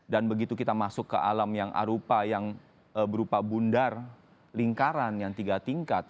dan begitu kita masuk ke alam yang arupa yang berupa bundar lingkaran yang tiga tingkat